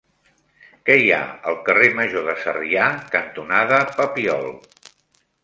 Què hi ha al carrer Major de Sarrià cantonada Papiol?